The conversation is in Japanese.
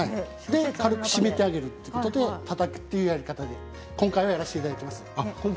軽く締めてやるということでたたくという形で今回やらせていただきます。